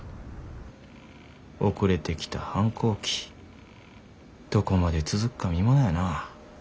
遅れてきた反抗期どこまで続くか見ものやな。